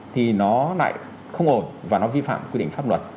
thì nó lại không ổn và nó vi phạm quy định pháp luật